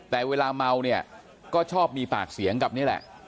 แต่เวลาเมาเนี่ยก็ชอบมีปากเสียงกับนี่แหละ